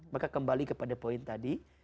maka kembali kepada poin tadi